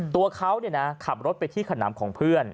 ตัวเขาขับรถไปที่ขนำของเพื่อน